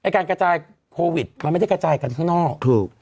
การกระจ่ายโควิดมันไม่ได้กระจ่ายข้างนอก